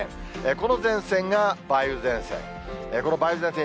この前線が梅雨前線。